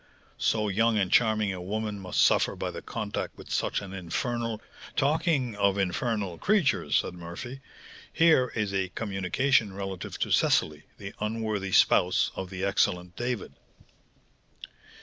So young and charming a woman must suffer by the contact with such an infernal " "Talking of infernal creatures," said Murphy, "here is a communication relative to Cecily, the unworthy spouse of the excellent David."